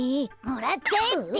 もらっちゃえって！